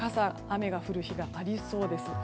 雨が降る日がありそうです。